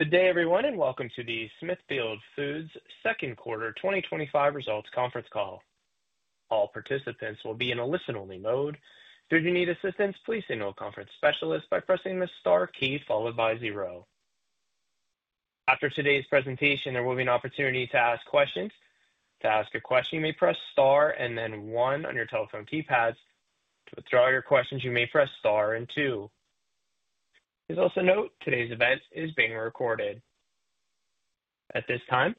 Good day, everyone, and welcome to the Smithfield Foods second quarter 2025 results conference call. All participants will be in a listen-only mode. Should you need assistance, please signal a conference specialist by pressing the star key followed by zero. After today's presentation, there will be an opportunity to ask questions. To ask a question, you may press star and then one on your telephone keypads. To withdraw your questions, you may press star and two. Please also note today's event is being recorded. At this time,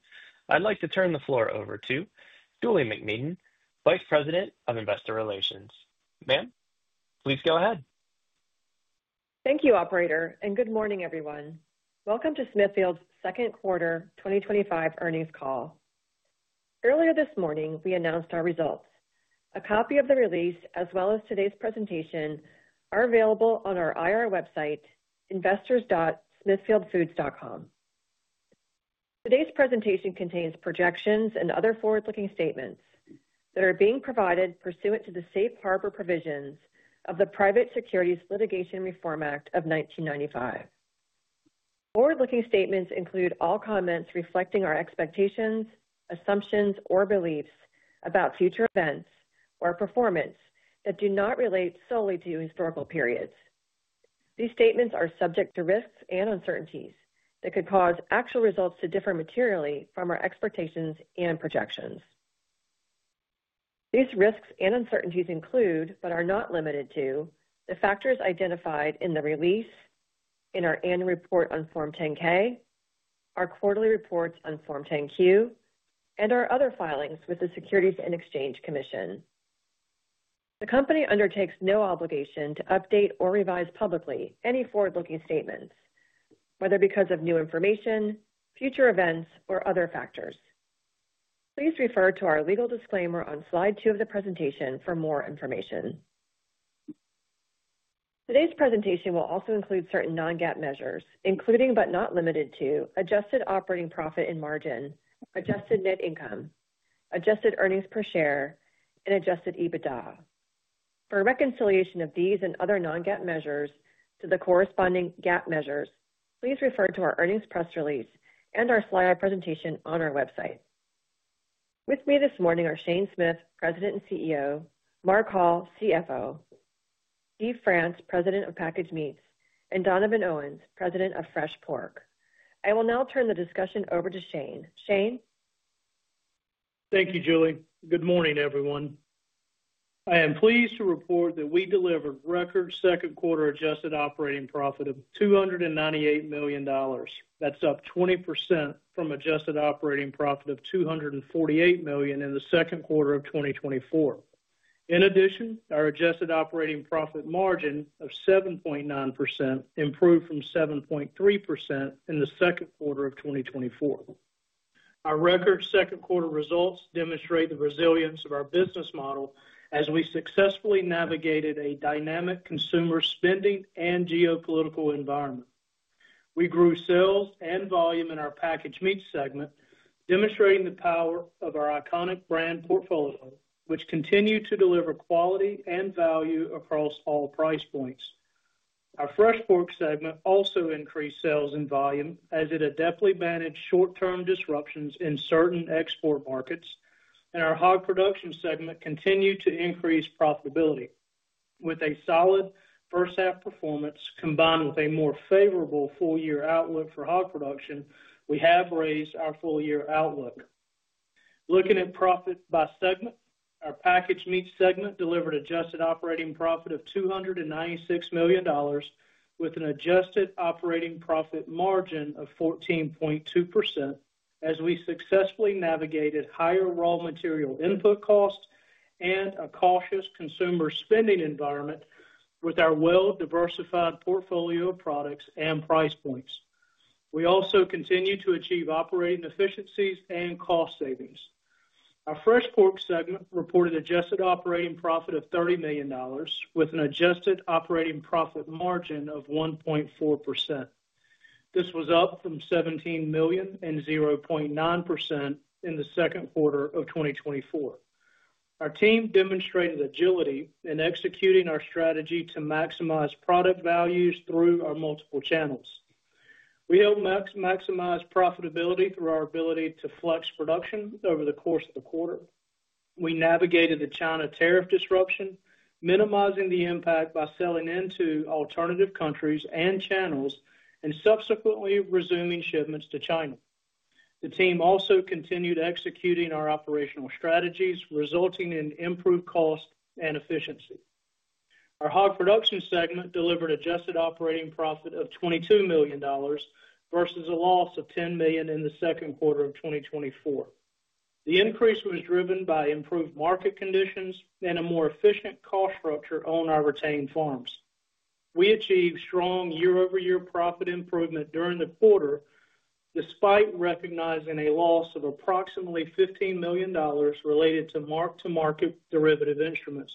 I'd like to turn the floor over to Julie MacMedan, Vice President of Investor Relations. Ma'am, please go ahead. Thank you, Operator, and good morning, everyone. Welcome to Smithfield's second quarter 2025 earnings call. Earlier this morning, we announced our results. A copy of the release, as well as today's presentation, are available on our IR website, investors.smithfieldfoods.com. Today's presentation contains projections and other forward-looking statements that are being provided pursuant to the safe harbor provisions of the Private Securities Litigation Reform Act of 1995. Forward-looking statements include all comments reflecting our expectations, assumptions, or beliefs about future events or performance that do not relate solely to historical periods. These statements are subject to risks and uncertainties that could cause actual results to differ materially from our expectations and projections. These risks and uncertainties include, but are not limited to, the factors identified in the release, in our annual report on Form 10-K, our quarterly reports on Form 10-Q, and our other filings with the Securities and Exchange Commission. The company undertakes no obligation to update or revise publicly any forward-looking statements, whether because of new information, future events, or other factors. Please refer to our legal disclaimer on slide two of the presentation for more information. Today's presentation will also include certain non-GAAP measures, including but not limited to Adjusted Operating Profit and margin, adjusted net income, adjusted earnings per share, and Adjusted EBITDA. For reconciliation of these and other non-GAAP measures to the corresponding GAAP measures, please refer to our earnings press release and our slide presentation on our website. With me this morning are Shane Smith, President and CEO, Mark Hall, CFO, Steve France, President of Packaged Meats, and Donovan Owens, President of Fresh Pork. I will now turn the discussion over to Shane. Shane? Thank you, Julie. Good morning, everyone. I am pleased to report that we delivered record second quarter Adjusted Operating Profit of $298 million. That's up 20% from Adjusted Operating Profit of $248 million in the second quarter of 2024. In addition, our Adjusted Operating Profit margin of 7.9% improved from 7.3% in the second quarter of 2024. Our record second quarter results demonstrate the resilience of our business model as we successfully navigated a dynamic consumer spending and geopolitical environment. We grew sales and volume in our Packaged Meats segment, demonstrating the power of our iconic brand portfolio, which continued to deliver quality and value across all price points. Our Fresh Pork segment also increased sales and volume as it adeptly managed short-term disruptions in certain export markets, and our Hog Production segment continued to increase profitability. With a solid first-half performance combined with a more favorable full-year outlook for Hog Production, we have raised our full-year outlook. Looking at profit by segment, our Packaged Meats segment delivered Adjusted Operating Profit of $296 million, with an Adjusted Operating Profit margin of 14.2% as we successfully navigated higher raw material input costs and a cautious consumer spending environment with our well-diversified portfolio of products and price points. We also continue to achieve operating efficiencies and cost savings. Our Fresh Pork segment reported Adjusted Operating Profit of $30 million, with an Adjusted Operating Profit margin of 1.4%. This was up from $17 million and 0.9% in the second quarter of 2024. Our team demonstrated agility in executing our strategy to maximize product values through our multiple channels. We helped maximize profitability through our ability to flex production over the course of the quarter. We navigated the China tariff disruption, minimizing the impact by selling into alternative countries and channels, and subsequently resuming shipments to China. The team also continued executing our operational strategies, resulting in improved cost and efficiency. Our Hog Production segment delivered Adjusted Operating Profit of $22 million versus a loss of $10 million in the second quarter of 2024. The increase was driven by improved market conditions and a more efficient cost structure on our retained farms. We achieved strong year-over-year profit improvement during the quarter, despite recognizing a loss of approximately $15 million related to Mark-to-Market derivative instruments.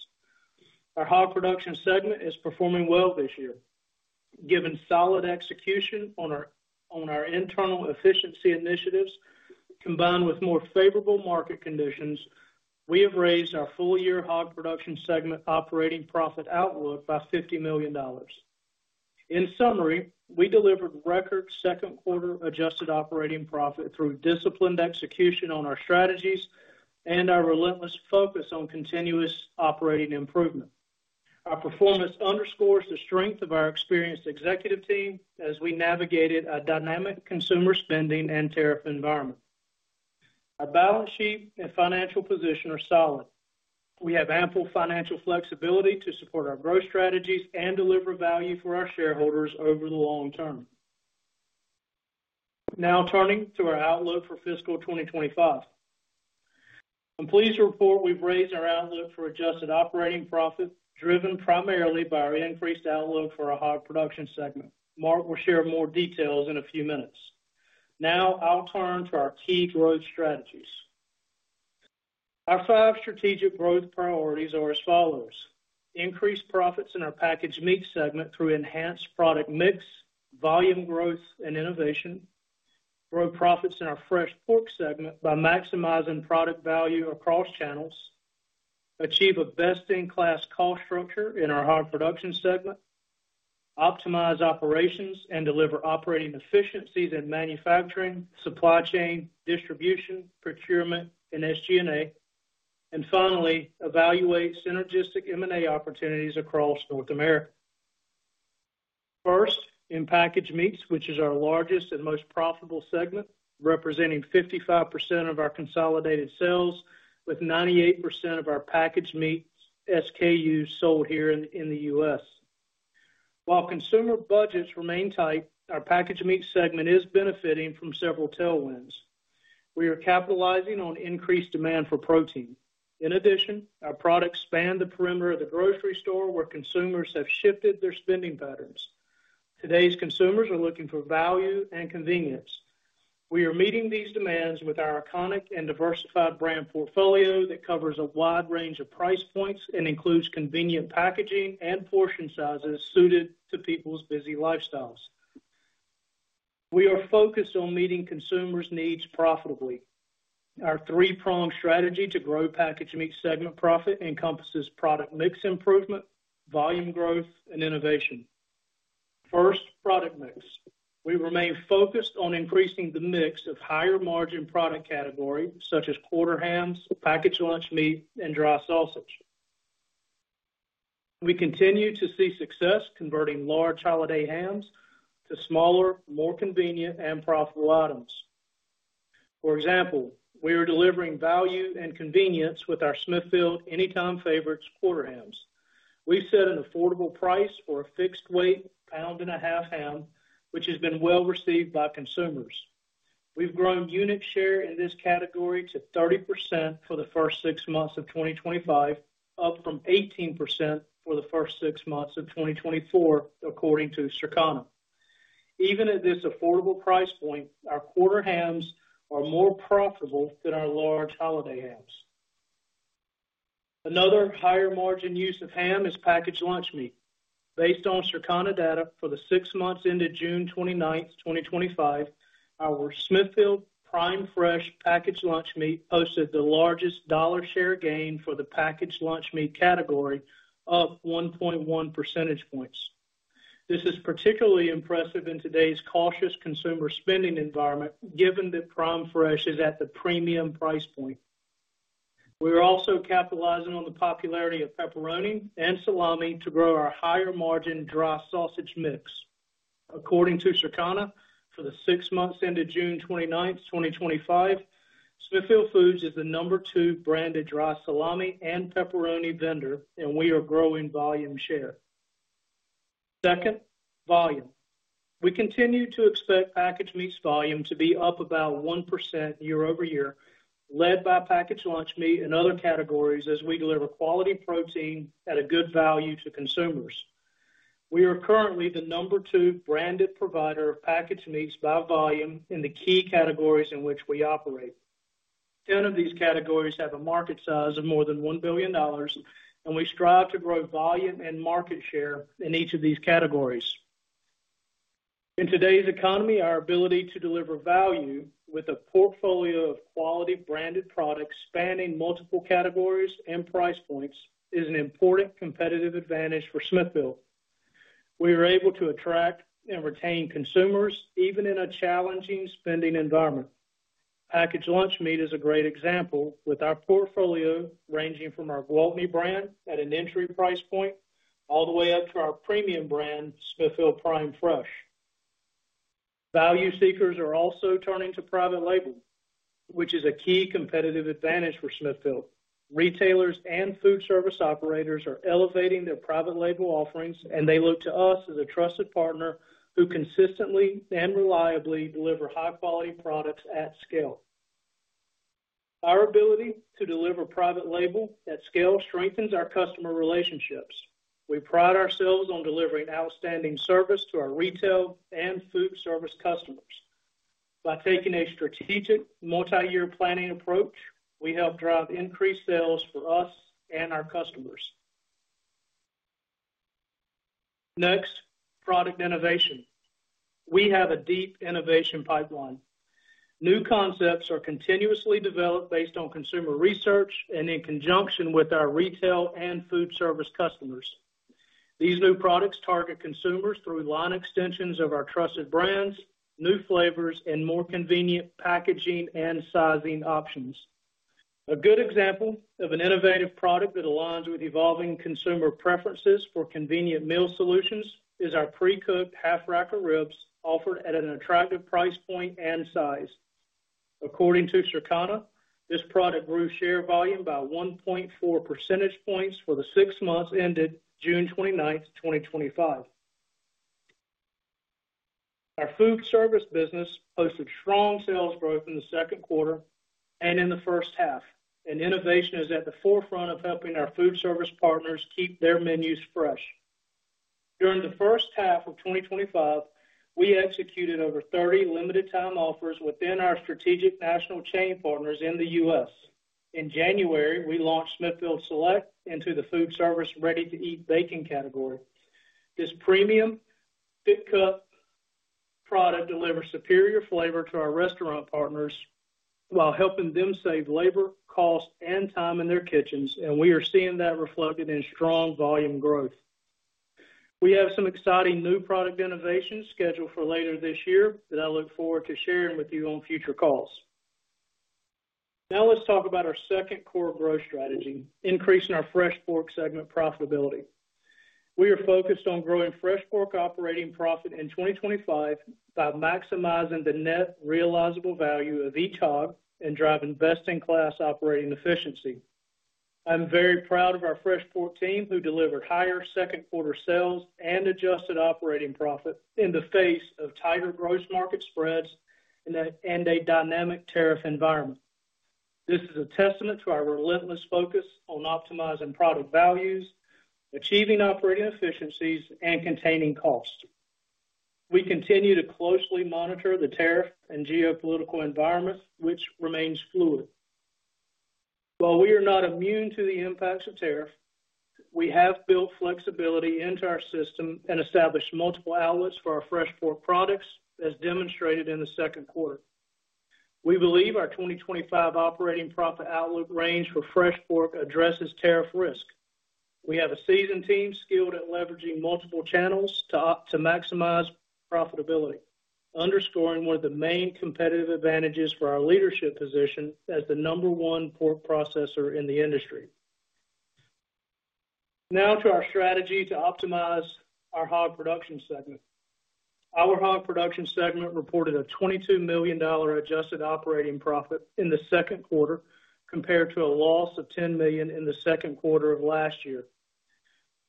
Our Hog Production segment is performing well this year. Given solid execution on our internal efficiency initiatives, combined with more favorable market conditions, we have raised our full-year Hog Production segment operating profit outlook by $50 million. In summary, we delivered record second quarter Adjusted Operating Profit through disciplined execution on our strategies and our relentless focus on continuous operating improvement. Our performance underscores the strength of our experienced executive team as we navigated a dynamic consumer spending and tariff environment. Our balance sheet and financial position are solid. We have ample financial flexibility to support our growth strategies and deliver value for our shareholders over the long term. Now turning to our outlook for fiscal 2025. I'm pleased to report we've raised our outlook for Adjusted Operating Profit, driven primarily by our increased outlook for our Hog Production segment. Mark will share more details in a few minutes. Now I'll turn to our key growth strategies. Our five strategic growth priorities are as follows: increase profits in our Packaged Meats segment through enhanced product mix, volume growth, and innovation; grow profits in our Fresh Pork segment by maximizing product value across channels; achieve a best-in-class cost structure in our Hog Production segment; optimize operations and deliver operating efficiencies in manufacturing, supply chain, distribution, procurement, and SG&A; and finally, evaluate synergistic M&A opportunities across North America. First, in Packaged Meats, which is our largest and most profitable segment, representing 55% of our consolidated sales with 98% of our Packaged Meats SKUs sold here in the U.S. While consumer budgets remain tight, our Packaged Meats segment is benefiting from several tailwinds. We are capitalizing on increased demand for protein. In addition, our products span the perimeter of the grocery store where consumers have shifted their spending patterns. Today's consumers are looking for value and convenience. We are meeting these demands with our iconic and diversified brand portfolio that covers a wide range of price points and includes convenient packaging and portion sizes suited to people's busy lifestyles. We are focused on meeting consumers' needs profitably. Our three-pronged strategy to grow Packaged Meats segment profit encompasses product mix improvement, volume growth, and innovation. First, product mix. We remain focused on increasing the mix of higher margin product categories such as quarter hams, packaged lunch meat, and dry sausage. We continue to see success converting large holiday hams to smaller, more convenient and profitable items. For example, we are delivering value and convenience with our Smithfield Anytime Favorites Quarter Hams. We set an affordable price for a fixed weight, pound and a half ham, which has been well received by consumers. We've grown unit share in this category to 30% for the first six months of 2025, up from 18% for the first six months of 2024, according to Circana. Even at this affordable price point, our quarter hams are more profitable than our large holiday hams. Another higher margin use of ham is packaged lunch meat. Based on Circana data for the six months ended June 29th, 2025, our Smithfield Prime Fresh packaged lunch meat posted the largest dollar share gain for the packaged lunch meat category of 1.1 percentage points. This is particularly impressive in today's cautious consumer spending environment, given that Prime Fresh is at the premium price point. We are also capitalizing on the popularity of pepperoni and salami to grow our higher margin dry sausage mix. According to Circana, for the six months ended June 29th, 2025, Smithfield Foods is the number two branded dry salami and pepperoni vendor, and we are growing volume share. Second, volume. We continue to expect Packaged Meats volume to be up about 1% year-over-year, led by packaged lunch meat and other categories as we deliver quality protein at a good value to consumers. We are currently the number two branded provider of Packaged Meats by volume in the key categories in which we operate. Ten of these categories have a market size of more than $1 billion, and we strive to grow volume and market share in each of these categories. In today's economy, our ability to deliver value with a portfolio of quality branded products spanning multiple categories and price points is an important competitive advantage for Smithfield. We are able to attract and retain consumers even in a challenging spending environment. Packaged lunch meat is a great example, with our portfolio ranging from our Gwaltney brand at an entry price point all the way up to our premium brand, Smithfield Prime Fresh. Value seekers are also turning Private Label products, which is a key competitive advantage for Smithfield. Retailers and food service operators are elevating their Private Label offerings, and they look to us as a trusted partner who consistently and reliably deliver high-quality products at scale. Our ability to deliver Private Label at scale strengthens our customer relationships. We pride ourselves on delivering outstanding service to our retail and food service customers. By taking a strategic multi-year planning approach, we help drive increased sales for us and our customers. Next, product innovation. We have a deep innovation pipeline. New concepts are continuously developed based on consumer research and in conjunction with our retail and food service customers. These new products target consumers through line extensions of our trusted brands, new flavors, and more convenient packaging and sizing options. A good example of an innovative product that aligns with evolving consumer preferences for convenient meal solutions is our precooked half-rack of ribs offered at an attractive price point and size. According to Circana, this product grew share volume by 1.4% for the six months ended June 29th, 2025. Our food service business posted strong sales growth in the second quarter and in the first half, and innovation is at the forefront of helping our food service partners keep their menus fresh. During the first half of 2025, we executed over 30 limited-time offers within our strategic national chain partners in the U.S. In January, we launched Smithfield Select into the food service ready-to-eat baking category. This premium thick-cut product delivers superior flavor to our restaurant partners while helping them save labor, cost, and time in their kitchens, and we are seeing that reflected in strong volume growth. We have some exciting new product innovations scheduled for later this year that I look forward to sharing with you on future calls. Now let's talk about our second core growth strategy, increasing our Fresh Pork segment profitability. We are focused on growing Fresh Pork operating profit in 2025 by maximizing the net realizable value of each hog and driving best-in-class operating efficiency. I'm very proud of our Fresh Pork team who delivered higher second quarter sales and Adjusted Operating Profit in the face of tighter gross market spreads and a dynamic tariff environment. This is a testament to our relentless focus on optimizing product values, achieving operating efficiencies, and containing cost. We continue to closely monitor the tariff and geopolitical environment, which remains fluid. While we are not immune to the impacts of tariff, we have built flexibility into our system and established multiple outlets for our Fresh Pork products, as demonstrated in the second quarter. We believe our 2025 operating profit outlook range for Fresh Pork addresses tariff risk. We have a seasoned team skilled at leveraging multiple channels to maximize profitability, underscoring one of the main competitive advantages for our leadership position as the number one pork processor in the industry. Now to our strategy to optimize our Hog Production segment. Our Hog Production segment reported a $22 million Adjusted Operating Profit in the second quarter, compared to a loss of $10 million in the second quarter of last year.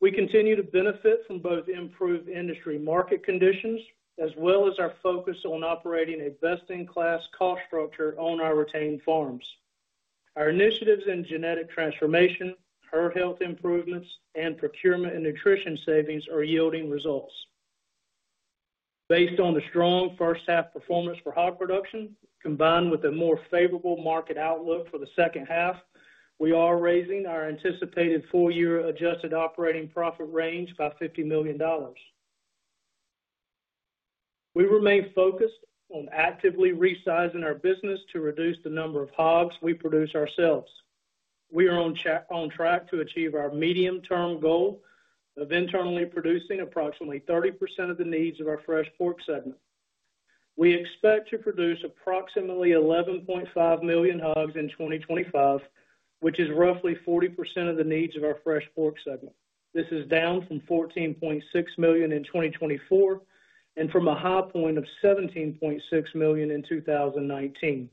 We continue to benefit from both improved industry market conditions, as well as our focus on operating a best-in-class cost structure on our retained farms. Our initiatives in genetic transformation, herd health improvements, and procurement and nutrition savings are yielding results. Based on the strong first-half performance for Hog Production, combined with a more favorable market outlook for the second half, we are raising our anticipated full-year Adjusted Operating Profit range by $50 million. We remain focused on actively resizing our business to reduce the number of hogs we produce ourselves. We are on track to achieve our medium-term goal of internally producing approximately 30% of the needs of our Fresh Pork segment. We expect to produce approximately 11.5 million hogs in 2025, which is roughly 40% of the needs of our Fresh Pork segment. This is down from 14.6 million in 2024 and from a high point of 17.6 million in 2019.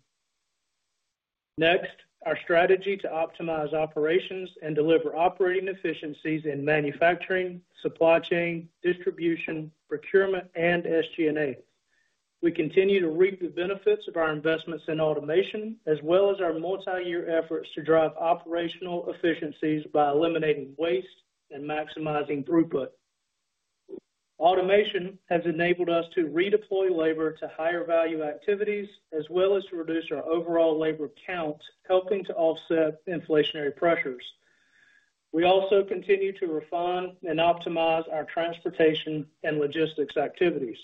Next, our strategy to optimize operations and deliver operating efficiencies in manufacturing, supply chain, distribution, procurement, and SG&A. We continue to reap the benefits of our investments in automation, as well as our multi-year efforts to drive operational efficiencies by eliminating waste and maximizing throughput. Automation has enabled us to redeploy labor to higher value activities, as well as to reduce our overall labor count, helping to offset inflationary pressures. We also continue to refine and optimize our transportation and logistics activities.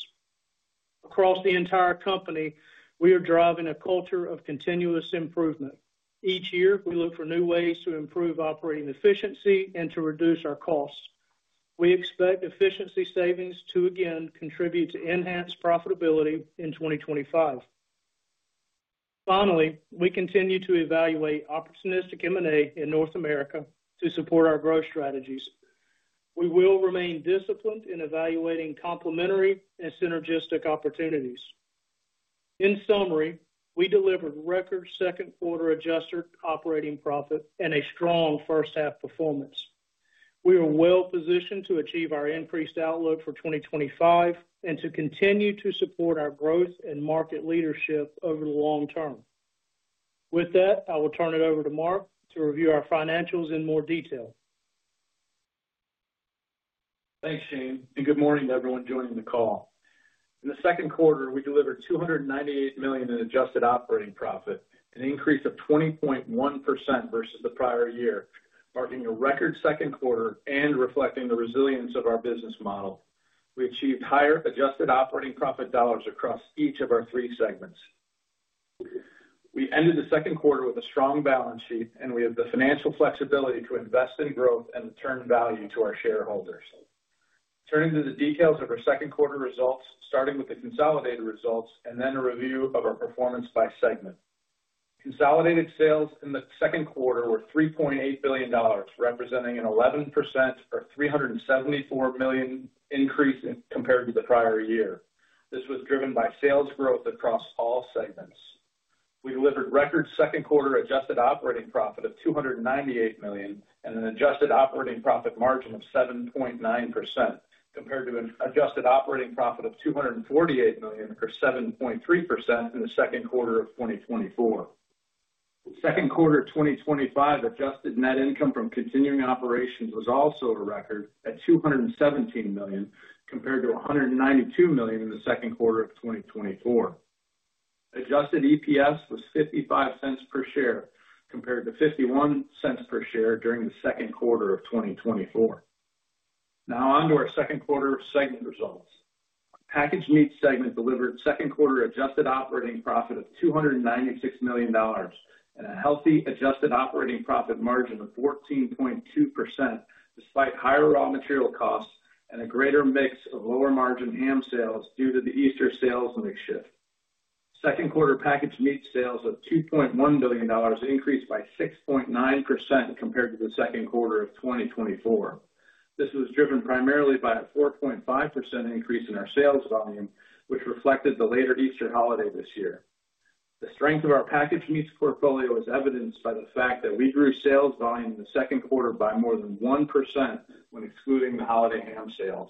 Across the entire company, we are driving a culture of continuous improvement. Each year, we look for new ways to improve operating efficiency and to reduce our costs. We expect efficiency savings to again contribute to enhanced profitability in 2025. Finally, we continue to evaluate opportunistic M&A in North America to support our growth strategies. We will remain disciplined in evaluating complementary and synergistic opportunities. In summary, we delivered record second quarter Adjusted Operating Profit and a strong first-half performance. We are well positioned to achieve our increased outlook for 2025 and to continue to support our growth and market leadership over the long term. With that, I will turn it over to Mark to review our financials in more detail. Thanks, Shane, and good morning to everyone joining the call. In the second quarter, we delivered $298 million in Adjusted Operating Profit, an increase of 20.1% versus the prior year, marking a record second quarter and reflecting the resilience of our business model. We achieved higher Adjusted Operating Profit dollars across each of our three segments. We ended the second quarter with a strong balance sheet, and we have the financial flexibility to invest in growth and return value to our shareholders. Turning to the details of our second quarter results, starting with the consolidated results and then a review of our performance by segment. Consolidated sales in the second quarter were $3.8 billion, representing an 11% or $374 million increase compared to the prior year. This was driven by sales growth across all segments. We delivered record second quarter Adjusted Operating Profit of $298 million and an Adjusted Operating Profit margin of 7.9% compared to an Adjusted Operating Profit of $248 million or 7.3% in the second quarter of 2024. Second quarter of 2025, adjusted net income from continuing operations was also a record at $217 million compared to $192 million in the second quarter of 2024. Adjusted EPS was $0.55 per share compared to $0.51 per share during the second quarter of 2024. Now on to our second quarter segment results. Packaged Meats segment delivered second quarter Adjusted Operating Profit of $296 million and a healthy Adjusted Operating Profit margin of 14.2% despite higher raw material costs and a greater mix of lower margin ham sales due to the Easter sales makeshift. Second quarter Packaged Meats sales of $2.1 billion increased by 6.9% compared to the second quarter of 2024. This was driven primarily by a 4.5% increase in our sales volume, which reflected the later Easter holiday this year. The strength of our Packaged Meats portfolio is evidenced by the fact that we grew sales volume in the second quarter by more than 1% when excluding the holiday ham sales.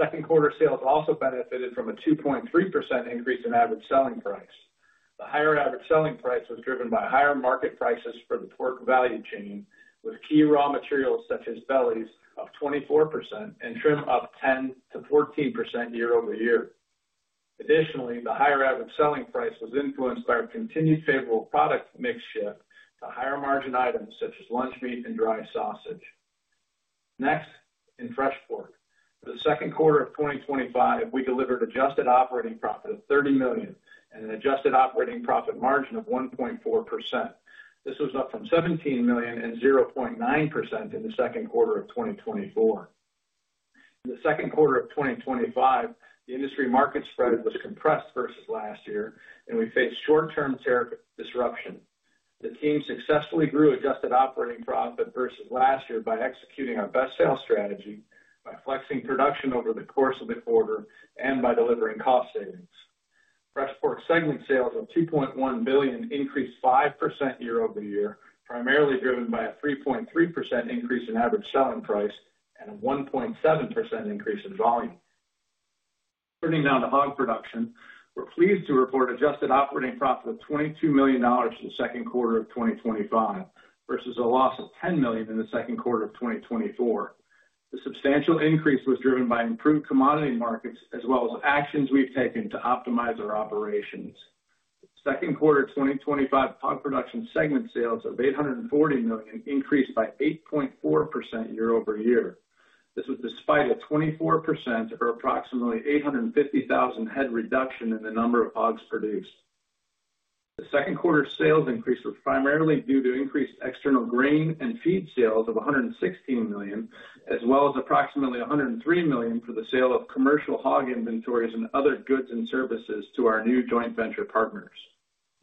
Second quarter sales also benefited from a 2.3% increase in average selling price. The higher average selling price was driven by higher market prices for the pork value chain, with key raw materials such as bellies up 24% and shrimp up 10%-14% year-over-year. Additionally, the higher average selling price was influenced by our continued favorable product makeshift to higher margin items such as lunch meat and dry sausage. Next, in Fresh Pork. For the second quarter of 2025, we delivered Adjusted Operating Profit of $30 million and an Adjusted Operating Profit margin of 1.4%. This was up from $17 million and 0.9% in the second quarter of 2024. In the second quarter of 2025, the industry market spread was compressed versus last year, and we faced short-term tariff disruption. The team successfully grew Adjusted Operating Profit versus last year by executing our best sales strategy, by flexing production over the course of the quarter, and by delivering cost savings. Fresh Pork segment sales of $2.1 billion increased 5% year-over-year, primarily driven by a 3.3% increase in average selling price and a 1.7% increase in volume. Turning now to Hog Production, we're pleased to report Adjusted Operating Profit of $22 million in the second quarter of 2025 versus a loss of $10 million in the second quarter of 2024. The substantial increase was driven by improved commodity markets, as well as actions we've taken to optimize our operations. The second quarter of 2025 Hog Production segment sales of $840 million increased by 8.4% year-over-year. This was despite a 24% or approximately 850,000 head reduction in the number of hogs produced. The second quarter sales increase was primarily due to increased external grain and feed sales of $116 million, as well as approximately $103 million for the sale of commercial hog inventories and other goods and services to our new joint venture partners.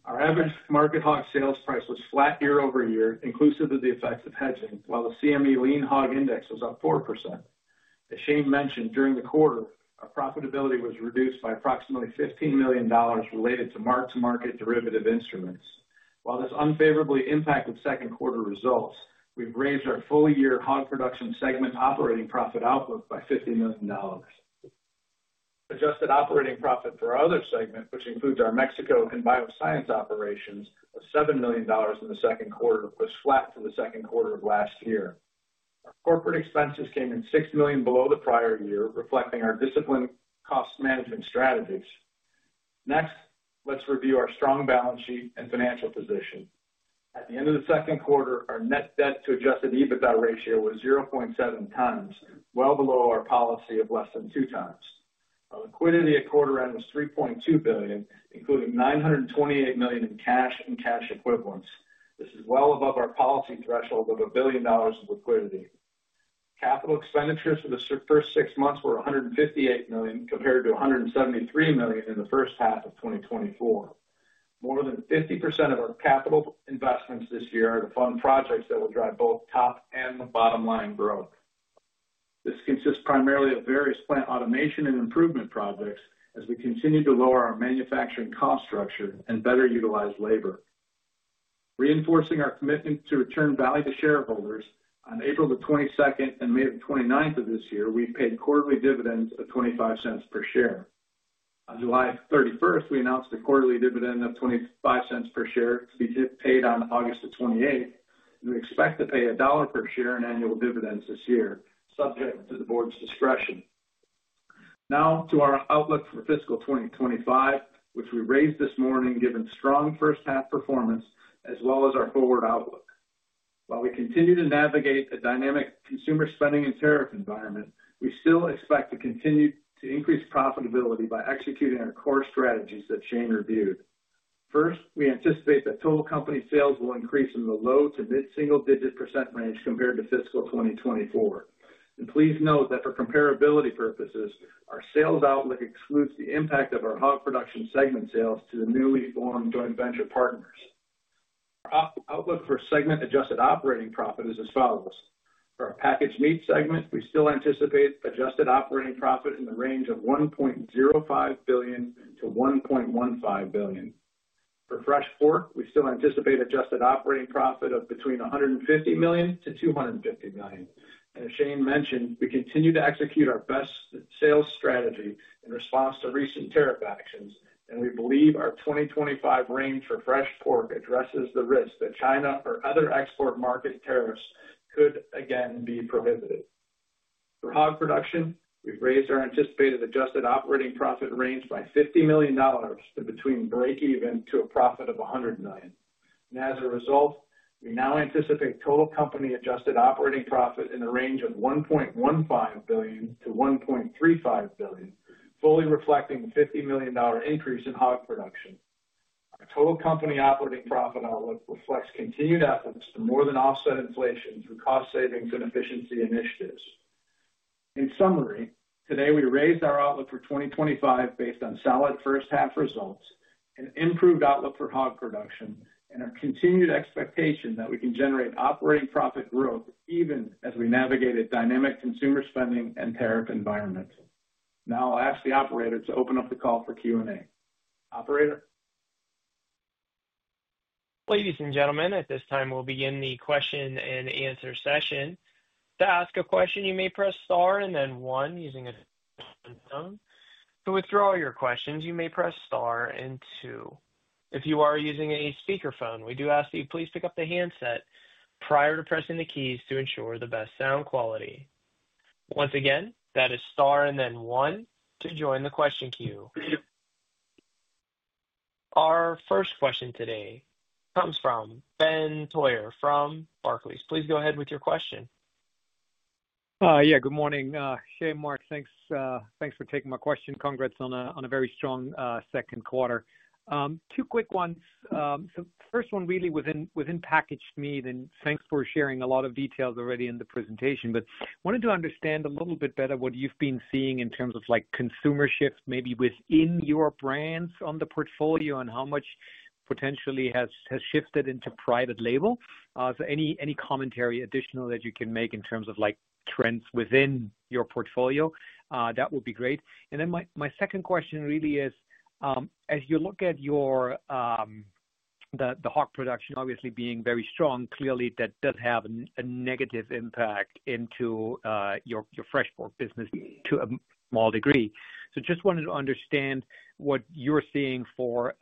Our average market hog sales price was flat year-over-year, inclusive of the effects of hedging, while the CME Lean Hog Index was up 4%. As Shane mentioned, during the quarter, our profitability was reduced by approximately $15 million related to Mark-to-Market derivative instruments. While this unfavorably impacted second quarter results, we've raised our full-year Hog Production segment operating profit outlook by $50 million. Adjusted Operating Profit for our other segment, which includes our Mexico and bioscience operations, was $7 million in the second quarter, which was flat from the second quarter of last year. Corporate expenses came in $6 million below the prior year, reflecting our disciplined cost management strategies. Next, let's review our strong balance sheet and financial position. At the end of the second quarter, our net debt to Adjusted EBITDA ratio was 0.7x, well below our policy of less than 2x. Our liquidity at quarter end was $3.2 billion, including $928 million in cash and cash equivalents. This is well above our policy threshold of $1 billion of liquidity. Capital expenditures for the first six months were $158 million, compared to $173 million in the first half of 2024. More than 50% of our capital investments this year are to fund projects that will drive both top and bottom line growth. This consists primarily of various plant automation and improvement projects as we continue to lower our manufacturing cost structure and better utilize labor. Reinforcing our commitment to return value to shareholders, on April 22nd and May 29th of this year, we've paid quarterly dividends of $0.25 per share. On July 31st, we announced a quarterly dividend of $0.25 per share to be paid on August 28, and we expect to pay $1 per share in annual dividends this year, subject to the board's discretion. Now to our outlook for fiscal 2025, which we raised this morning given strong first-half performance as well as our forward outlook. While we continue to navigate a dynamic consumer spending and tariff environment, we still expect to continue to increase profitability by executing our core strategies that Shane reviewed. First, we anticipate that total company sales will increase in the low to mid-single-digit percent range compared to fiscal 2024. Please note that for comparability purposes, our sales outlook excludes the impact of our Hog Production segment sales to the newly formed joint venture partners. Our outlook for segment Adjusted Operating Profit is as follows. For our Packaged Meats segment, we still anticipate Adjusted Operating Profit in the range of $1.05 billion-$1.15 billion. For Fresh Pork, we still anticipate Adjusted Operating Profit of between $150 million-$250 million. As Shane mentioned, we continue to execute our best sales strategy in response to recent tariff actions, and we believe our 2025 range for Fresh Pork addresses the risk that China or other export market tariffs could again be prohibited. For Hog Production, we've raised our anticipated Adjusted Operating Profit range by $50 million to between break even to a profit of $100 million. As a result, we now anticipate total company Adjusted Operating Profit in the range of $1.15 billion-$1.35 billion, fully reflecting the $50 million increase in Hog Production. Our total company operating profit outlook reflects continued efforts to more than offset inflation through cost savings and efficiency initiatives. In summary, today we raised our outlook for 2025 based on solid first-half results, an improved outlook for Hog Production, and our continued expectation that we can generate operating profit growth even as we navigate a dynamic consumer spending and tariff environment. Now I'll ask the operator to open up the call for Q&A. Operator? Ladies and gentlemen, at this time we'll begin the question-and-answer session. To ask a question, you may press star and then one using a phone. To withdraw your questions, you may press star and two. If you are using a speakerphone, we do ask that you please pick up the handset prior to pressing the keys to ensure the best sound quality. Once again, that is star and then one to join the question queue. Our first question today comes from Ben Theurer from Barclays. Please go ahead with your question. Yeah, good morning. Hey Mark, thanks for taking my question. Congrats on a very strong second quarter. Two quick ones. First one really within Packaged Meats, and thanks for sharing a lot of details already in the presentation, but I wanted to understand a little bit better what you've been seeing in terms of consumer shifts maybe within your brands on the portfolio and how much potentially has shifted into Private Label. Any commentary additional that you can make in terms of trends within your portfolio, that would be great. My second question really is, as you look at your Hog Production, obviously being very strong, clearly that does have a negative impact into your Fresh Pork business to a small degree. I just wanted to understand what you're seeing for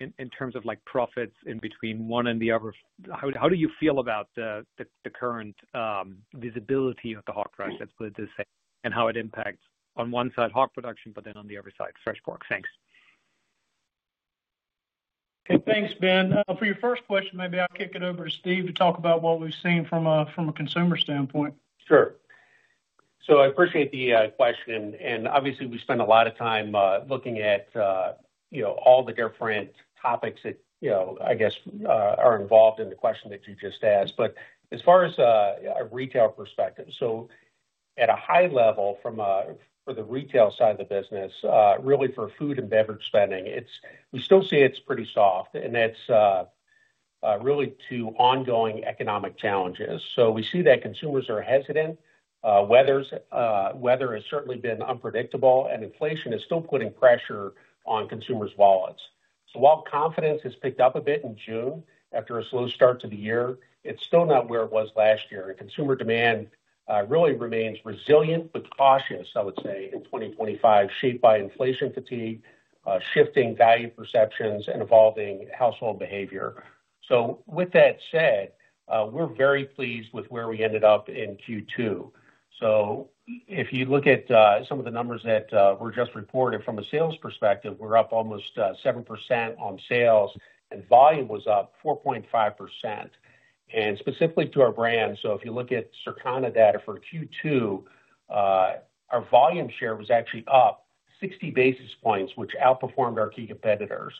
in terms of profits in between one and the other. How do you feel about the current visibility of the hog price, let's put it this way, and how it impacts on one side Hog Production, but then on the other side Fresh Pork. Thanks. Okay, thanks Ben. For your first question, maybe I'll kick it over to Steve to talk about what we've seen from a consumer standpoint. Sure. I appreciate the question, and obviously we spent a lot of time looking at, you know, all the different topics that, you know, I guess are involved in the question that you just asked. As far as a retail perspective, at a high level from the retail side of the business, really for food and beverage spending, we still see it's pretty soft, and that's really due to ongoing economic challenges. We see that consumers are hesitant. Weather has certainly been unpredictable, and inflation is still putting pressure on consumers' wallets. While confidence has picked up a bit in June after a slow start to the year, it's still not where it was last year, and consumer demand really remains resilient, but cautious, I would say, in 2025, shaped by inflation fatigue, shifting value perceptions, and evolving household behavior. With that said, we're very pleased with where we ended up in Q2. If you look at some of the numbers that were just reported from a sales perspective, we're up almost 7% on sales, and volume was up 4.5%. Specifically to our brand, if you look at Circana data for Q2, our volume share was actually up 60 basis points, which outperformed our key competitors.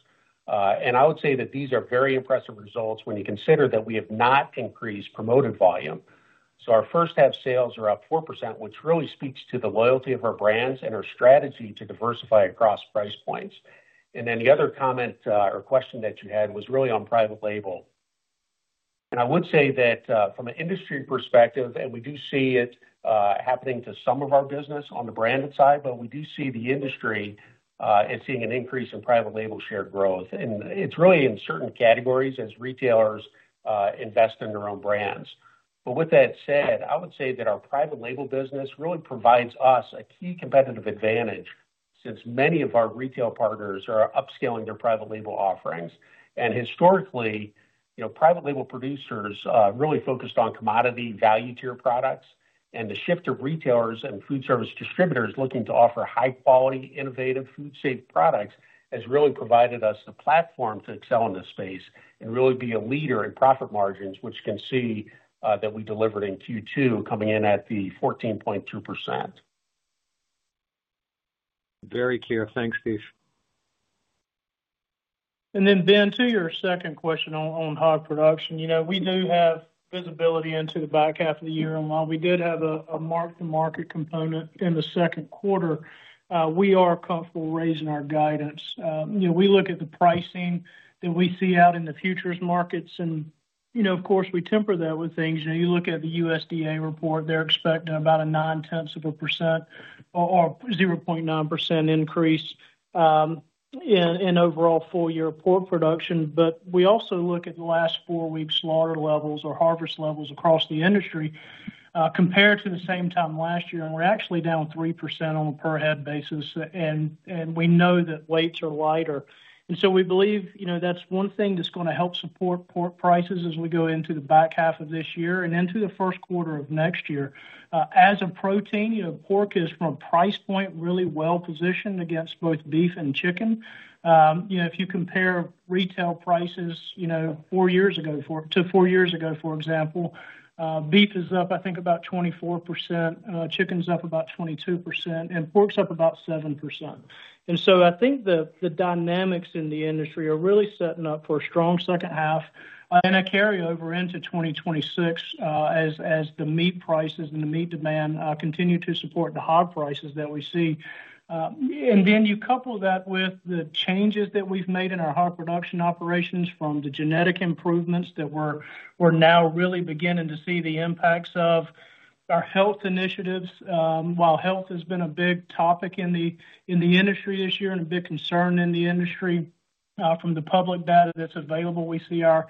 I would say that these are very impressive results when you consider that we have not increased promoted volume. Our first-half sales are up 4%, which really speaks to the loyalty of our brands and our strategy to diversify across price points. The other comment or question that you had was really on Private Label. I would say that from an industry perspective, and we do see it happening to some of our business on the branded side, we do see the industry seeing an increase in Private Label share growth. It's really in certain categories as retailers invest in their own brands. With that said, I would say that our Private Label business really provides us a key competitive advantage since many of our retail partners are upscaling their Private Label offerings. Historically, Private Label producers really focused on commodity value-tier products, and the shift of retailers and food service distributors looking to offer high-quality, innovative food safe products has really provided us the platform to excel in this space and really be a leader in profit margins, which you can see that we delivered in Q2, coming in at the 14.2%. Very clear. Thanks, Steve. Ben, to your second question on Hog Production, we do have visibility into the back half of the year, and while we did have a Mark-to-Market component in the second quarter, we are comfortable raising our guidance. We look at the pricing that we see out in the futures markets, and of course, we temper that with things. You look at the USDA report, they're expecting about a 0.9% increase in overall full-year pork production. We also look at the last four weeks' slaughter levels or harvest levels across the industry compared to the same time last year, and we're actually down 3% on a per head basis, and we know that weights are lighter. We believe that's one thing that's going to help support pork prices as we go into the back half of this year and into the first quarter of next year. As a protein, pork is from a price point really well positioned against both beef and chicken. If you compare retail prices, four years ago to four years ago, for example, beef is up, I think, about 24%, chicken's up about 22%, and pork's up about 7%. I think the dynamics in the industry are really setting up for a strong second half and a carryover into 2026 as the meat prices and the meat demand continue to support the hog prices that we see. You couple that with the changes that we've made in our Hog Production operations from the genetic improvements that we're now really beginning to see the impacts of our health initiatives. While health has been a big topic in the industry this year and a big concern in the industry, from the public data that's available, we see our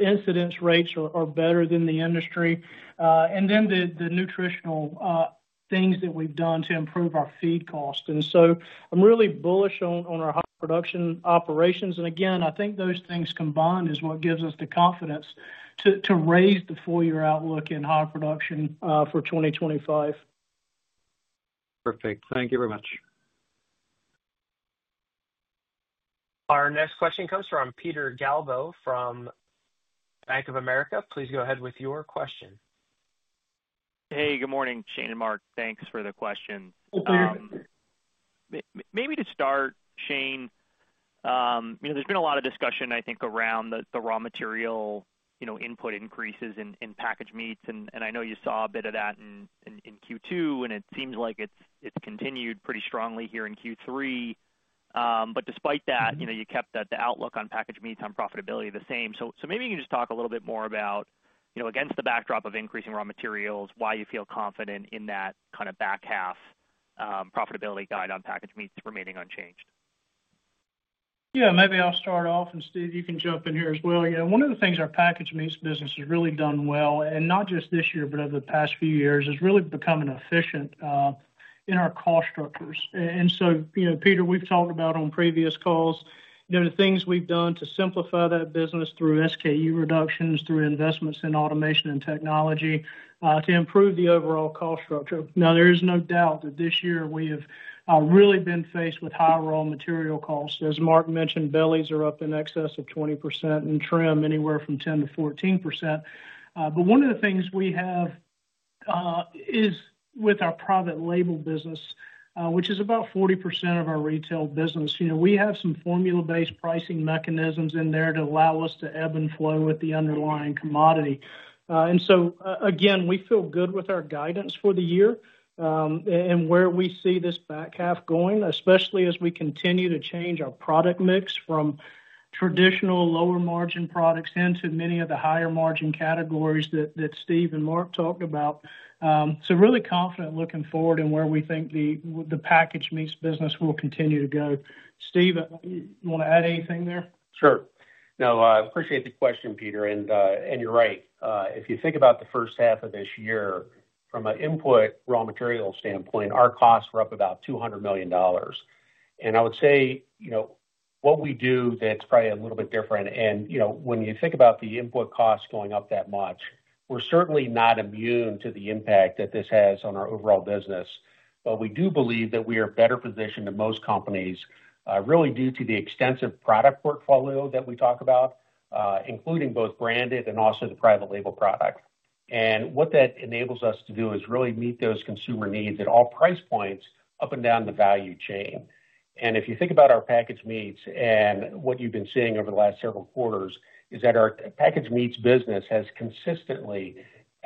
incidence rates are better than the industry. The nutritional things that we've done to improve our feed cost. I'm really bullish on our Hog Production operations. I think those things combined is what gives us the confidence to raise the full-year outlook in Hog Production for 2025. Perfect. Thank you very much. Our next question comes from Peter Galbo from Bank of America. Please go ahead with your question. Hey, good morning, Shane and Mark. Thanks for the question. Maybe to start, Shane, there's been a lot of discussion, I think, around the raw material input increases in Packaged Meats. I know you saw a bit of that in Q2, and it seems like it's continued pretty strongly here in Q3. Despite that, you kept the outlook on Packaged Meats on profitability the same. Maybe you can just talk a little bit more about, against the backdrop of increasing raw materials, why you feel confident in that kind of back half profitability guide on Packaged Meats remaining unchanged. Yeah, maybe I'll start off, and Steve, you can jump in here as well. One of the things our Packaged Meats business has really done well, and not just this year, but over the past few years, is really becoming efficient in our cost structures. Peter, we've talked about on previous calls the things we've done to simplify that business through SKU reductions, through investments in automation and technology to improve the overall cost structure. There is no doubt that this year we have really been faced with high raw material costs. As Mark mentioned, bellies are up in excess of 20% and shrimp anywhere from 10%-14%. One of the things we have is with our Private Label business, which is about 40% of our retail business. We have some formula-based pricing mechanisms in there to allow us to ebb and flow with the underlying commodity. We feel good with our guidance for the year and where we see this back half going, especially as we continue to change our product mix from traditional lower margin products into many of the higher margin categories that Steve and Mark talked about. Really confident looking forward in where we think the Packaged Meats business will continue to go. Steve, you want to add anything there? Sure. No, I appreciate the question, Peter. You're right. If you think about the first half of this year, from an input raw materials standpoint, our costs were up about $200 million. I would say what we do that's probably a little bit different, when you think about the input costs going up that much, we're certainly not immune to the impact that this has on our overall business. We do believe that we are better positioned than most companies, really due to the extensive product portfolio that we talk about, including both branded and also the Private Label product. What that enables us to do is really meet those consumer needs at all price points up and down the value chain. If you think about our Packaged Meats and what you've been seeing over the last several quarters, our Packaged Meats business has consistently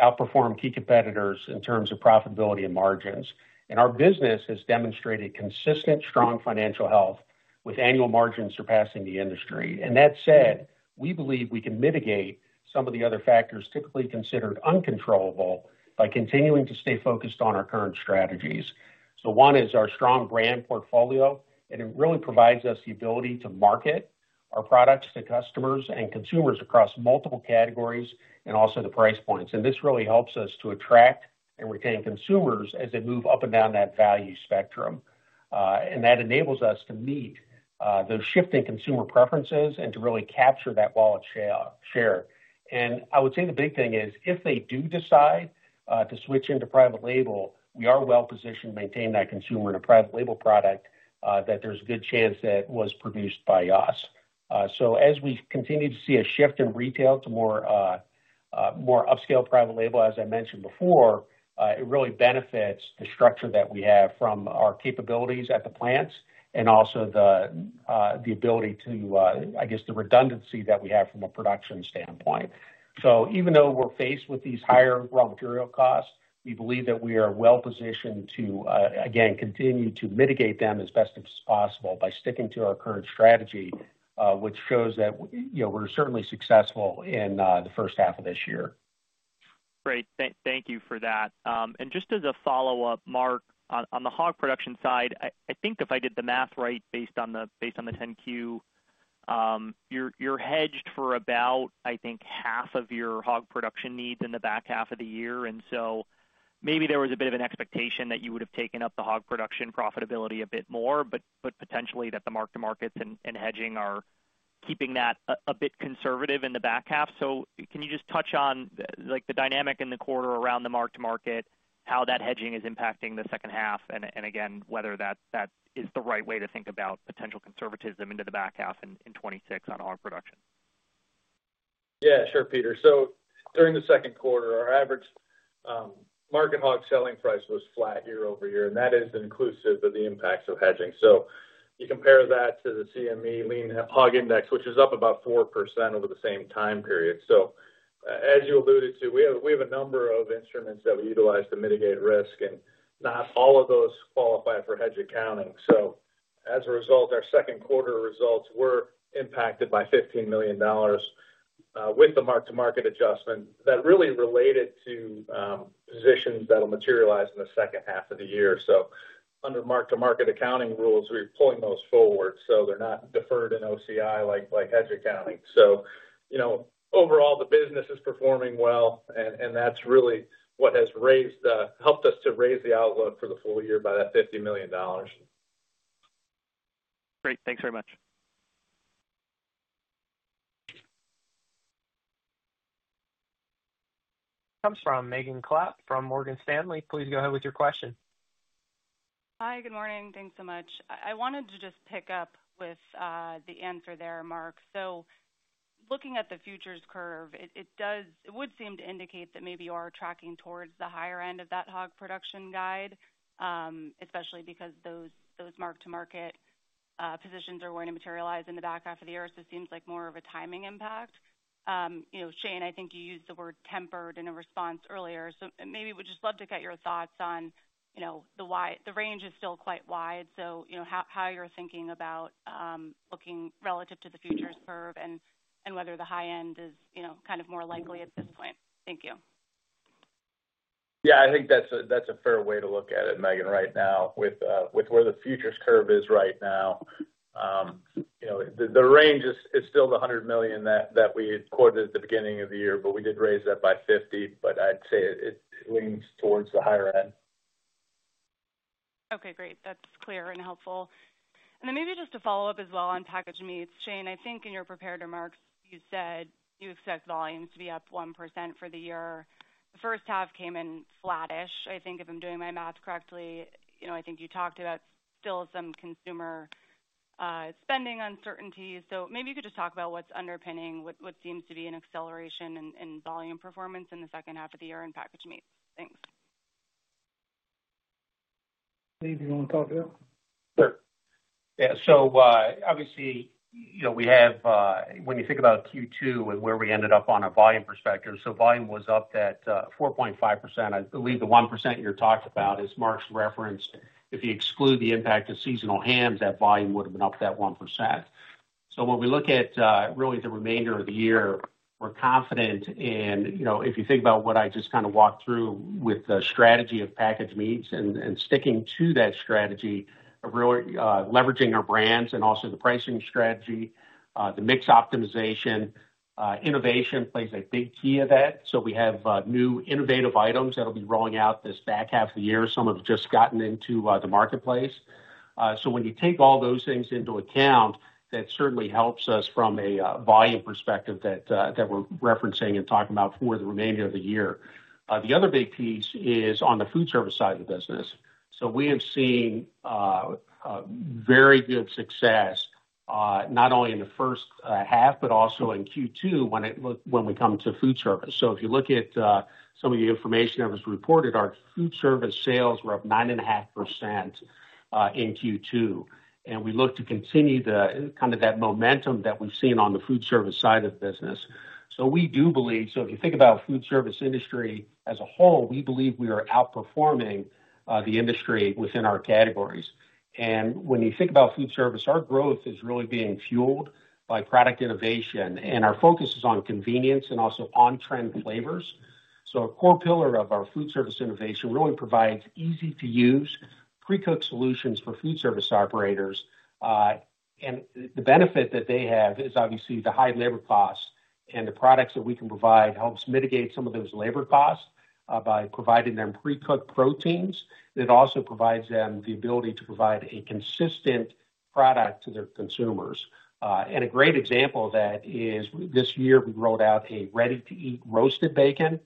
outperformed key competitors in terms of profitability and margins. Our business has demonstrated consistent strong financial health with annual margins surpassing the industry. That said, we believe we can mitigate some of the other factors typically considered uncontrollable by continuing to stay focused on our current strategies. One is our strong brand portfolio, and it really provides us the ability to market our products to customers and consumers across multiple categories and also the price points. This really helps us to attract and retain consumers as they move up and down that value spectrum. That enables us to meet those shifting consumer preferences and to really capture that wallet share. I would say the big thing is if they do decide to switch into Private Label, we are well positioned to maintain that consumer in a Private Label product, that there's a good chance that was produced by us. As we continue to see a shift in retail to more upscale Private Label, as I mentioned before, it really benefits the structure that we have from our capabilities at the plants and also the ability to, I guess, the redundancy that we have from a production standpoint. Even though we're faced with these higher raw material costs, we believe that we are well positioned to continue to mitigate them as best as possible by sticking to our current strategy, which shows that we're certainly successful in the first half of this year. Great. Thank you for that. Just as a follow-up, Mark, on the Hog Production side, I think if I did the math right based on the 10-Q, you're hedged for about, I think, half of your Hog Production needs in the back half of the year. There was a bit of an expectation that you would have taken up the Hog Production profitability a bit more, but potentially that the Mark-to-Market and hedging are keeping that a bit conservative in the back half. Can you just touch on the dynamic in the quarter around the Mark-to-Market, how that hedging is impacting the second half, and again, whether that is the right way to think about potential conservatism into the back half in 2026 on Hog Production? Yeah, sure, Peter. During the second quarter, our average market hog selling price was flat year-over-year, and that is inclusive of the impacts of hedging. You compare that to the CME Lean Hog Index, which is up about 4% over the same time period. As you alluded to, we have a number of instruments that we utilize to mitigate risk, and not all of those qualify for hedge accounting. As a result, our second quarter results were impacted by $15 million with the Mark-to-Market adjustment that really related to positions that will materialize in the second half of the year. Under Mark-to-Market accounting rules, we're pulling those forward. They're not deferred in OCI like hedge accounting. Overall, the business is performing well, and that's really what has helped us to raise the outlook for the full year by that $50 million. Great, thanks very much. Comes from Megan Clapp from Morgan Stanley. Please go ahead with your question. Hi, good morning. Thanks so much. I wanted to just pick up with the answer there, Mark. Looking at the futures curve, it does, it would seem to indicate that maybe you are tracking towards the higher end of that Hog Production guide, especially because those Mark-to-Market positions are going to materialize in the back half of the year. It seems like more of a timing impact. Shane, I think you used the word "tempered" in a response earlier. We'd just love to get your thoughts on the why the range is still quite wide, how you're thinking about looking relative to the futures curve, and whether the high end is kind of more likely at this point. Thank you. Yeah, I think that's a fair way to look at it, Megan, right now with where the futures curve is right now. The range is still the $100 million that we quoted at the beginning of the year, but we did raise it up by $50 million. I'd say it leans towards the higher end. Okay, great. That's clear and helpful. Maybe just to follow up as well on Packaged Meats, Shane, I think in your prepared remarks, you said you expect volumes to be up 1% for the year. The first half came in flattish, I think, if I'm doing my math correctly. I think you talked about still some consumer spending uncertainty. Maybe you could just talk about what's underpinning what seems to be an acceleration in volume performance in the second half of the year in Packaged Meats. Thanks. Steve, do you want to talk about? Sure. Yeah, so obviously, you know, we have, when you think about Q2 and where we ended up on a volume perspective, volume was up that 4.5%. I believe the 1% you're talking about is Mark's reference. If you exclude the impact of seasonal hams, that volume would have been up that 1%. When we look at really the remainder of the year, we're confident in, you know, if you think about what I just kind of walked through with the strategy of Packaged Meats and sticking to that strategy, really leveraging our brands and also the pricing strategy, the mix optimization, innovation plays a big key of that. We have new innovative items that'll be rolling out this back half of the year. Some have just gotten into the marketplace. When you take all those things into account, that certainly helps us from a volume perspective that we're referencing and talking about for the remainder of the year. The other big piece is on the food service side of the business. We have seen very good success, not only in the first half, but also in Q2 when it comes to food service. If you look at some of the information that was reported, our food service sales were up 9.5% in Q2. We look to continue that momentum that we've seen on the food service side of the business. We do believe, if you think about the food service industry as a whole, we are outperforming the industry within our categories. When you think about food service, our growth is really being fueled by product innovation, and our focus is on convenience and also on-trend flavors. A core pillar of our food service innovation really provides easy-to-use, precooked solutions for food service operators. The benefit that they have is obviously the high labor costs, and the products that we can provide help mitigate some of those labor costs by providing them precooked proteins. It also provides them the ability to provide a consistent product to their consumers. A great example of that is this year we rolled out a ready-to-eat roasted bacon,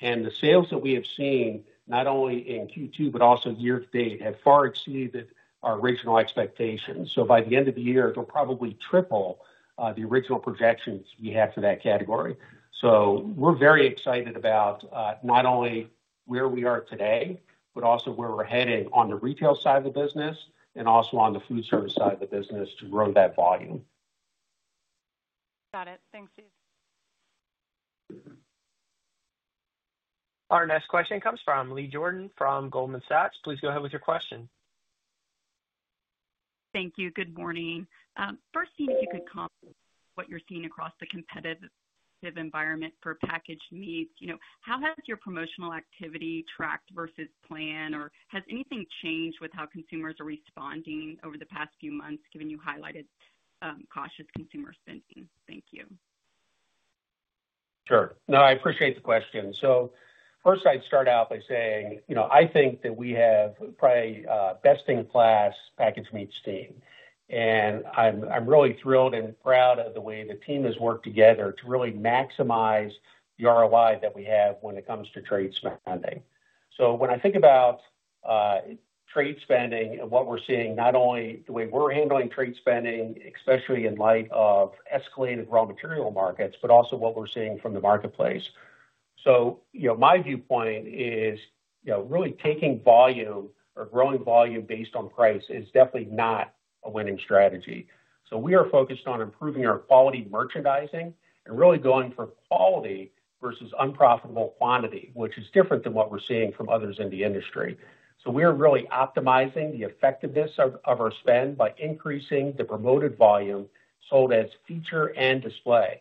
and the sales that we have seen, not only in Q2, but also year to date, have far exceeded our original expectations. By the end of the year, it'll probably triple the original projections we had for that category. We're very excited about not only where we are today, but also where we're heading on the retail side of the business and also on the food service side of the business to grow that volume. Got it. Thanks, Steve. Our next question comes from Lee Jordan from Goldman Sachs. Please go ahead with your question. Thank you. Good morning. First, seeing if you could comp what you're seeing across the competitive environment for Packaged Meats. How has your promotional activity tracked versus planned, or has anything changed with how consumers are responding over the past few months, given you highlighted cautious consumer spending? Thank you. Sure. No, I appreciate the question. First, I'd start out by saying, you know, I think that we have probably best-in-class Packaged Meats team. I'm really thrilled and proud of the way the team has worked together to really maximize the ROI that we have when it comes to trade spending. When I think about trade spending and what we're seeing, not only the way we're handling trade spending, especially in light of escalated raw material markets, but also what we're seeing from the marketplace. My viewpoint is, you know, really taking volume or growing volume based on price is definitely not a winning strategy. We are focused on improving our quality merchandising and really going for quality versus unprofitable quantity, which is different than what we're seeing from others in the industry. We are really optimizing the effectiveness of our spend by increasing the promoted volume sold as feature and display.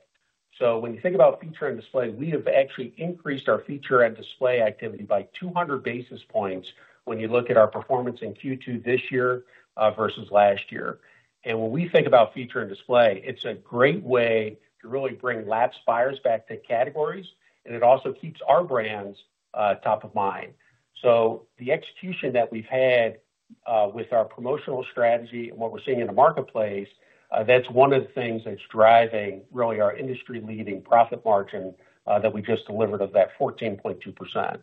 When you think about feature and display, we have actually increased our feature and display activity by 200 basis points when you look at our performance in Q2 this year versus last year. When we think about feature and display, it's a great way to really bring lapsed buyers back to categories, and it also keeps our brands top of mind. The execution that we've had with our promotional strategy and what we're seeing in the marketplace, that's one of the things that's driving really our industry-leading profit margin that we just delivered of that 14.2%.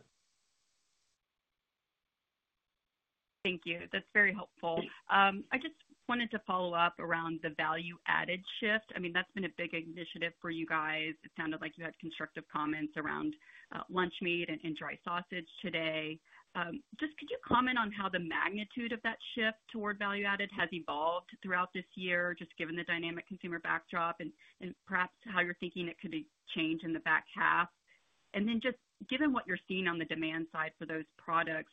Thank you. That's very helpful. I just wanted to follow up around the value-added shift. I mean, that's been a big initiative for you guys. It sounded like you had constructive comments around lunch meat and dry sausage today. Could you comment on how the magnitude of that shift toward value-added has evolved throughout this year, given the dynamic consumer backdrop and perhaps how you're thinking it could change in the back half? Given what you're seeing on the demand side for those products,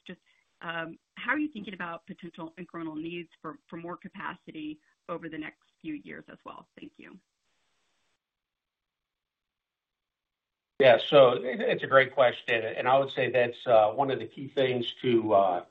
how are you thinking about potential incremental needs for more capacity over the next few years as well? Thank you. Yeah, it's a great question. I would say that's one of the key things to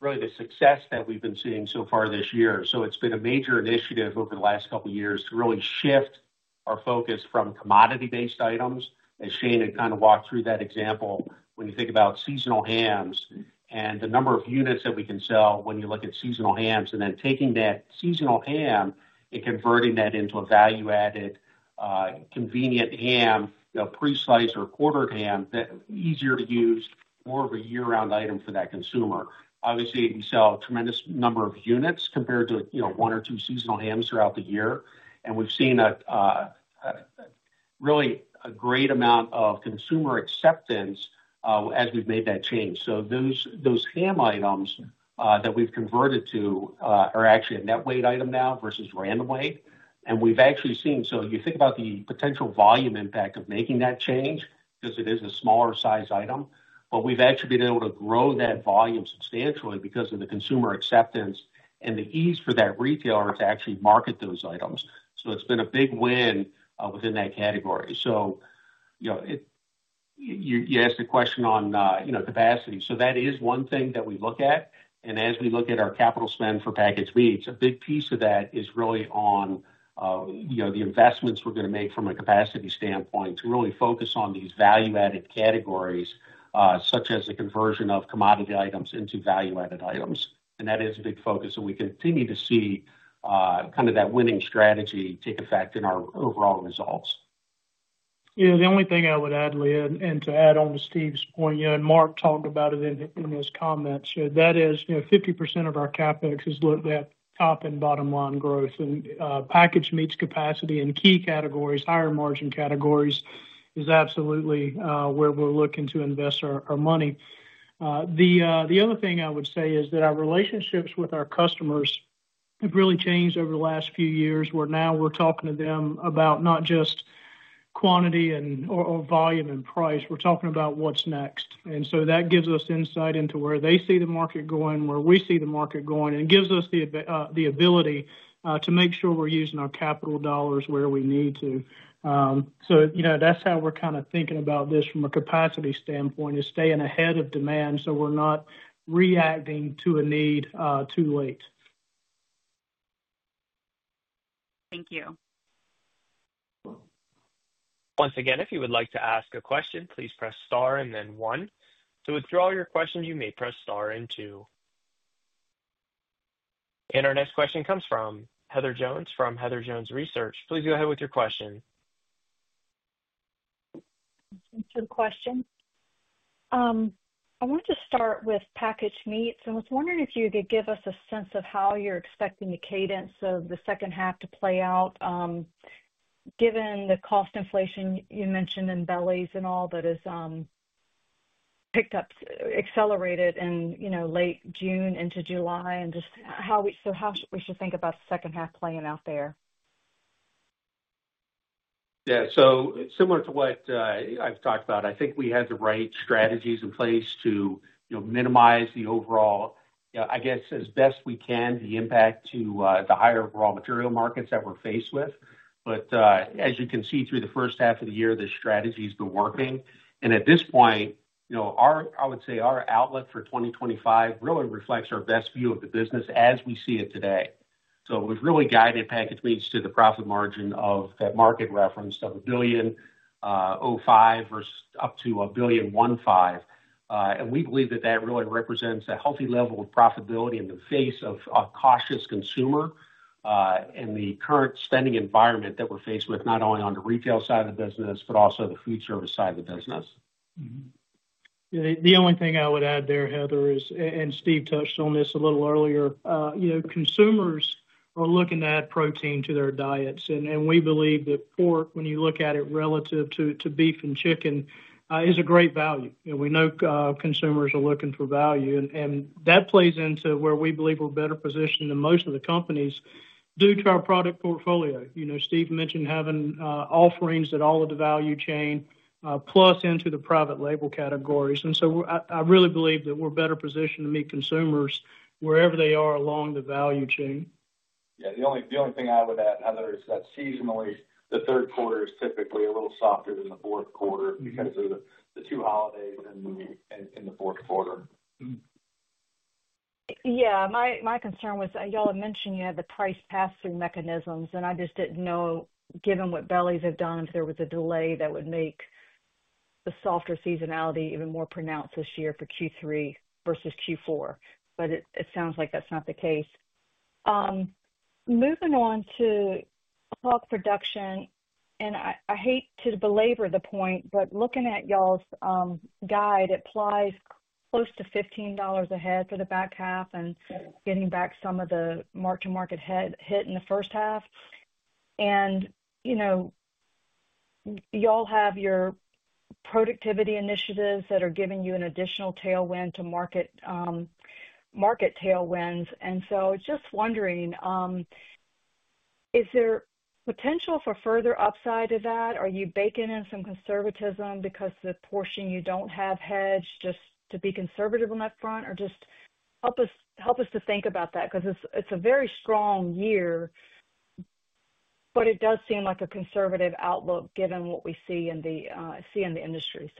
really the success that we've been seeing so far this year. It's been a major initiative over the last couple of years to really shift our focus from commodity-based items, as Shane had kind of walked through that example, when you think about seasonal hams and the number of units that we can sell when you look at seasonal hams, and then taking that seasonal ham and converting that into a value-added convenient ham, you know, pre-sliced or quartered ham that's easier to use, more of a year-round item for that consumer. Obviously, we sell a tremendous number of units compared to, you know, one or two seasonal hams throughout the year. We've seen a really great amount of consumer acceptance as we've made that change. Those ham items that we've converted to are actually a net weight item now versus random weight. We've actually seen, so you think about the potential volume impact of making that change because it is a smaller size item, but we've actually been able to grow that volume substantially because of the consumer acceptance and the ease for that retailer to actually market those items. It's been a big win within that category. You asked the question on capacity. That is one thing that we look at. As we look at our capital spend for Packaged Meats, a big piece of that is really on the investments we're going to make from a capacity standpoint to really focus on these value-added categories, such as the conversion of commodity items into value-added items. That is a big focus. We continue to see kind of that winning strategy take effect in our overall results. Yeah, the only thing I would add, Lee, and to add on to Steve's point, you and Mark talked about it in his comments, that is, you know, 50% of our CapEx is looked at top and bottom-line growth. Packaged Meats capacity in key categories, higher margin categories, is absolutely where we're looking to invest our money. The other thing I would say is that our relationships with our customers have really changed over the last few years, where now we're talking to them about not just quantity and or volume and price, we're talking about what's next. That gives us insight into where they see the market going, where we see the market going, and gives us the ability to make sure we're using our capital dollars where we need to. You know, that's how we're kind of thinking about this from a capacity standpoint, is staying ahead of demand so we're not reacting to a need too late. Thank you. Once again, if you would like to ask a question, please press star and then one. To withdraw your questions, you may press star and two. Our next question comes from Heather Jones from Heather Jones Research. Please go ahead with your question. Thanks for the question. I wanted to start with Packaged Meats. I was wondering if you could give us a sense of how you're expecting the cadence of the second half to play out, given the cost inflation you mentioned in bellies and all that has picked up, accelerated in late June into July, and just how we should think about the second half playing out there. Yeah, similar to what I've talked about, I think we had the right strategies in place to minimize the overall, I guess as best we can, the impact to the higher raw material markets that we're faced with. As you can see through the first half of the year, this strategy has been working. At this point, I would say our outlook for 2025 really reflects our best view of the business as we see it today. It was really guided Packaged Meats to the profit margin of that market reference of $1.05 billion-$1.15 billion. We believe that really represents a healthy level of profitability in the face of a cautious consumer and the current spending environment that we're faced with, not only on the retail side of the business, but also the food service side of the business. Yeah, the only thing I would add there, Heather, is, as Steve touched on this a little earlier, you know, consumers are looking to add protein to their diets. We believe that pork, when you look at it relative to beef and chicken, is a great value. We know consumers are looking for value, and that plays into where we believe we're better positioned than most of the companies due to our product portfolio. Steve mentioned having offerings at all of the value chain, plus into the Private Label categories. I really believe that we're better positioned to meet consumers wherever they are along the value chain. Yeah, the only thing I would add, Heather, is that seasonally, the third quarter is typically a little softer than the fourth quarter because of the two holidays in the fourth quarter. Yeah, my concern was y'all had mentioned you had the price pass-through mechanisms, and I just didn't know, given what bellies have done, if there was a delay that would make the softer seasonality even more pronounced this year for Q3 versus Q4. It sounds like that's not the case. Moving on to Hog Production, I hate to belabor the point, but looking at y'all's guide, it applies close to $15 a head for the back half and getting back some of the Mark-to-Market hit in the first half. You know, y'all have your productivity initiatives that are giving you an additional tailwind to market tailwinds. I was just wondering, is there potential for further upside to that? Are you baking in some conservatism because of the portion you don't have hedged just to be conservative on that front, or just help us to think about that because it's a very strong year, but it does seem like a conservative outlook given what we see in the industry.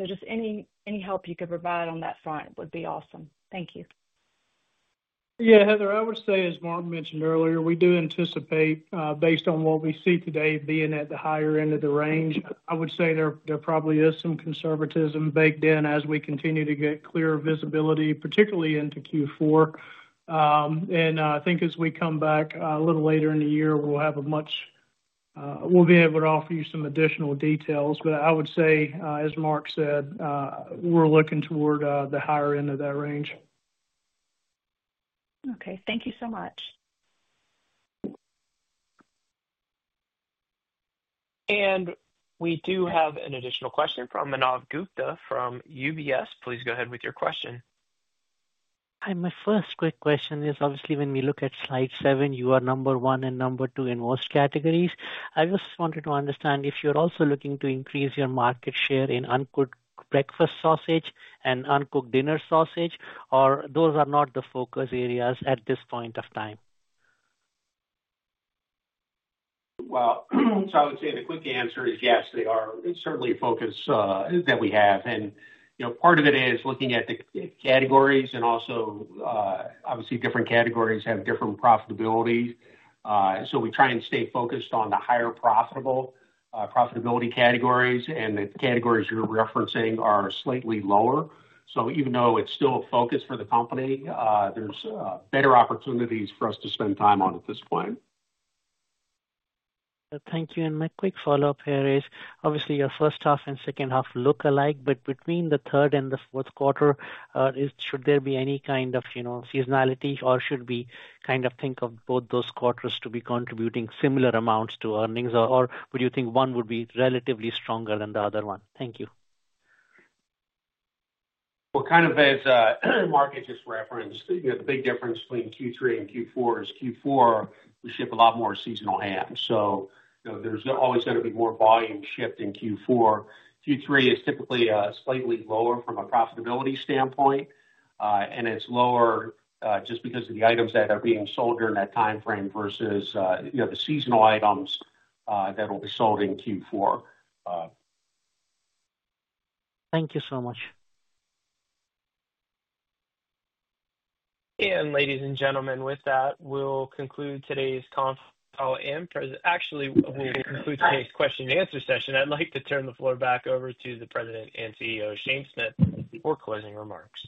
Any help you could provide on that front would be awesome. Thank you. Yeah, Heather, I would say, as Mark mentioned earlier, we do anticipate, based on what we see today, being at the higher end of the range. I would say there probably is some conservatism baked in as we continue to get clearer visibility, particularly into Q4. I think as we come back a little later in the year, we'll be able to offer you some additional details. I would say, as Mark said, we're looking toward the higher end of that range. Okay, thank you so much. We do have an additional question from Manav Gupta from UBS. Please go ahead with your question. Hi, my first quick question is, obviously, when we look at slide seven, you are number one and number two in most categories. I just wanted to understand if you're also looking to increase your market share in uncooked breakfast sausage and uncooked dinner sausage, or those are not the focus areas at this point of time. I would say the quick answer is yes, they are. It's certainly a focus that we have. Part of it is looking at the categories and also, obviously, different categories have different profitabilities. We try and stay focused on the higher profitability categories, and the categories you're referencing are slightly lower. Even though it's still a focus for the company, there's better opportunities for us to spend time on at this point. Thank you. My quick follow-up here is, obviously, your first half and second half look alike, but between the third and the fourth quarter, should there be any kind of seasonality, or should we kind of think of both those quarters to be contributing similar amounts to earnings, or would you think one would be relatively stronger than the other one? Thank you. As Mark had just referenced, the big difference between Q3 and Q4 is Q4, we ship a lot more seasonal hams. There's always going to be more volume shipped in Q4. Q3 is typically slightly lower from a profitability standpoint, and it's lower just because of the items that are being sold during that timeframe versus the seasonal items that will be sold in Q4. Thank you so much. Ladies and gentlemen, with that, we'll conclude today's call. When we conclude today's question and answer session, I'd like to turn the floor back over to the President and CEO, Shane Smith, for closing remarks.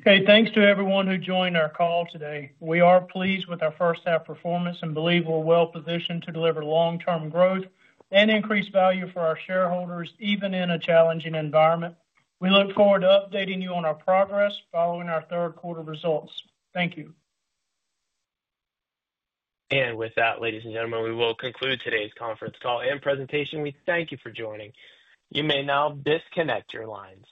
Okay, thanks to everyone who joined our call today. We are pleased with our first-half performance and believe we're well positioned to deliver long-term growth and increase value for our shareholders, even in a challenging environment. We look forward to updating you on our progress following our third quarter results. Thank you. With that, ladies and gentlemen, we will conclude today's conference call and presentation. We thank you for joining. You may now disconnect your lines.